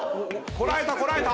こらえたこらえた！